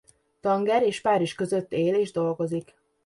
Tanger és Párizs között él és dolgozik.